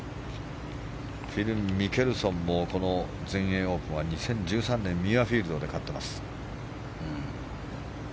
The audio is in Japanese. フィル・ミケルソンも全英オープンは２０１３年、ミュアフィールドで勝ってます。